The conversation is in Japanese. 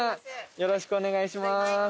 よろしくお願いします。